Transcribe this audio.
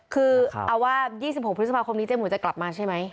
คือเอาว่า๒๖พฤษภาคมนี้เจ๊หมูจะกลับมาใช่ไหม